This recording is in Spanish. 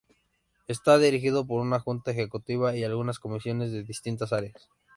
Está dirigido por una junta ejecutiva y algunas comisiones de distintas áreas.